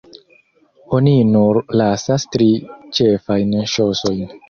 Oni nur lasas tri ĉefajn ŝosojn.